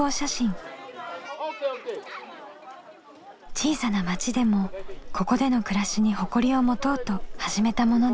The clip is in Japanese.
小さな町でもここでの暮らしに誇りを持とうと始めたものです。